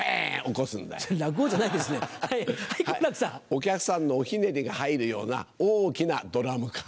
お客さんのおひねりが入るような大きなドラム缶。